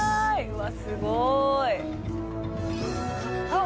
うわすごい！